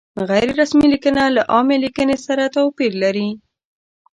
غیر رسمي لیکنه له عامې لیکنې سره توپیر لري.